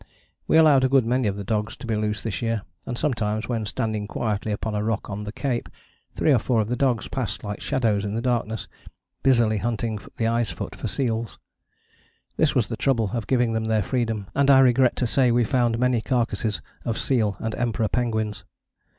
We allowed a good many of the dogs to be loose this year, and sometimes, when standing quietly upon a rock on the cape, three or four of the dogs passed like shadows in the darkness, busily hunting the ice foot for seals: this was the trouble of giving them their freedom, and I regret to say we found many carcasses of seal and Emperor penguins.